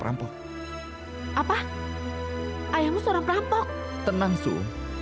aku tidak baik sum